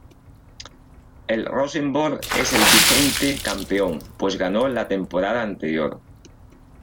El Rosenborg es el vigente campeón, pues ganó la temporada anterior.